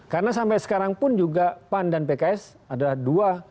karena sampai sekarang pun juga pan dan pks adalah dua